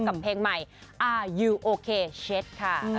กับเพลงใหม่อายิวโอเคเช็ดค่ะ